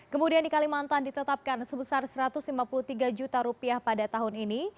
kemudian di kalimantan ditetapkan sebesar satu ratus lima puluh tiga juta rupiah pada tahun ini